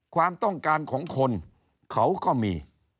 ความต้องการของคนเขาก็มี